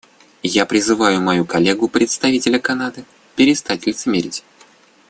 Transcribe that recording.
Я призываю мою коллегу, представителя Канады, перестать лицемерить.